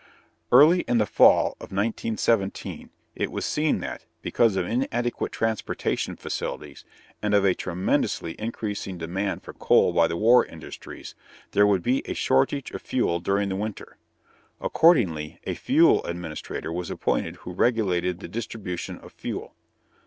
Early in the fall of 1917 it was seen that, because of inadequate transportation facilities and of a tremendously increasing demand for coal by the war industries, there would be a shortage of fuel during the winter. Accordingly a Fuel Administrator was appointed who regulated the distribution of fuel.